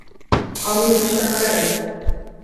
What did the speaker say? Almirante Tamandaré